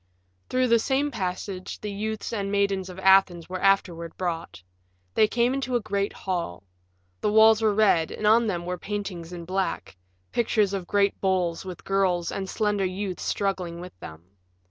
Through the same passage the youths and maidens of Athens were afterward brought. They came into a great hall. The walls were red and on them were paintings in black pictures of great bulls with girls and slender youths struggling with them.